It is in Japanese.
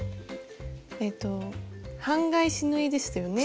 えっと半返し縫いでしたよね？